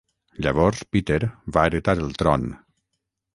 Llavors Peter va heretar el tron.